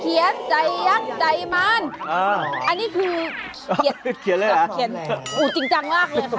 เคียนเลยหรือลองนะอื้อจริงจังมากเลยค่ะ